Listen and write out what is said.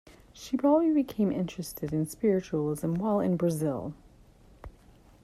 She probably became interested in spiritualism while in Brazil.